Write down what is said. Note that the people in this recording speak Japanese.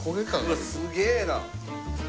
うわっすげえな。